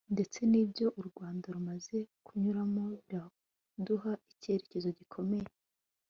ndetse n'ibyo u rwanda rumaze kunyuramo biraduha icyizere gikomeye